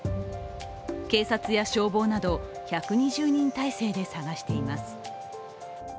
警察や消防など１２０人態勢で捜しています。